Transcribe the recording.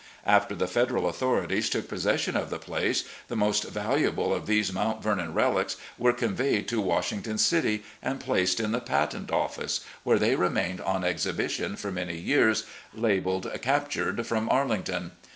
After the Federal authorities took possession of the place, the most valuable of these Motmt Vemon relics were con MRS. R. E. LEE 337 veyed to Washington City and placed in the Patent Office, where they remained on exhibition for many years labelled "Captured from Arlington."